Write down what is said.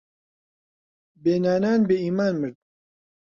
بێ نانان بێ ئیمان مرد